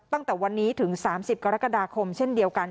ตั้งแต่วันนี้ถึง๓๐กรกฎาคมเช่นเดียวกัน